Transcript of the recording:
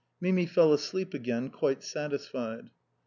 Mimi fell asleep again quite satisfied.